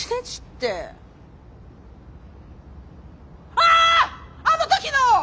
あの時の！